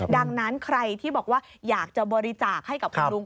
ดังนั้นใครที่บอกว่าอยากจะบริจาคให้กับคุณลุง